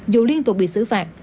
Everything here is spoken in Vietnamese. dù liên tục bị xử phạt